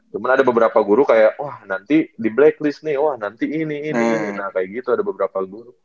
cuman ada beberapa guru kayak wah nanti di blacklist nih wah nanti ini ini nah kayak gitu ada beberapa guru